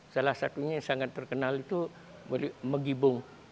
salah satunya yang sangat terkenal itu megibong